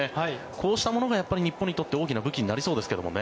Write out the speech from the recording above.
こうしたものが日本にとって大きな武器になりそうですけどね。